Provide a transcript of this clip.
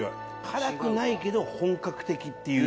辛くないけど本格的っていう。